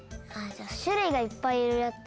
しゅるいがいっぱいいるやつ。